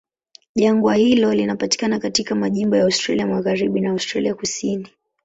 Jangwa hilo linapatikana katika majimbo ya Australia Magharibi na Australia Kusini.